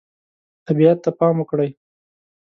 طبیعت ته پام وکړئ.